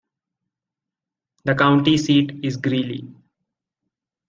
The county seat is Greeley.